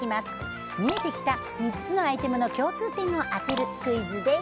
見えてきた３つのアイテムの共通点を当てるクイズです。